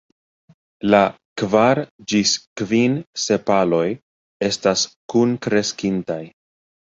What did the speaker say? La kvar ĝis kvin sepaloj estas kunkreskintaj.